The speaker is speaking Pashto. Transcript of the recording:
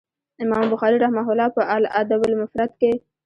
امام بخاري رحمه الله په الأدب المفرد کي